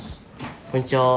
こんにちは。